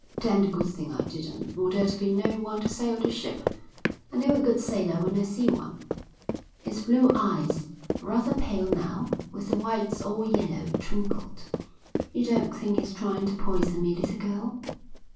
"Damned good thing I didn't, or there'd be no one to sail the ship. I know a good sailor when I see one." His blue eyes, rather pale now, with the whites all yellow, twinkled. "You don't think he's trying to poison me, little girl?"